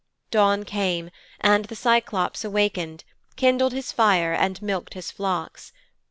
'Dawn came, and the Cyclops awakened, kindled his fire and milked his flocks.